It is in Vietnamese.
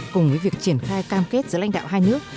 cùng với việc triển khai cam kết giữa lãnh đạo hai nước